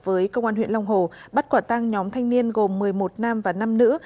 với công an huyện long hồ bắt quả tang nhóm thanh niên gồm một mươi một nam và năm nữ